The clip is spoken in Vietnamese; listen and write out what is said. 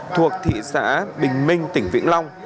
thuộc thị xã bình minh tỉnh vĩnh long